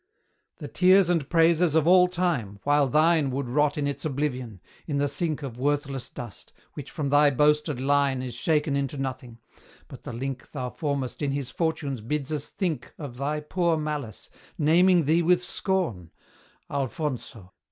The tears and praises of all time, while thine Would rot in its oblivion in the sink Of worthless dust, which from thy boasted line Is shaken into nothing; but the link Thou formest in his fortunes bids us think Of thy poor malice, naming thee with scorn Alfonso!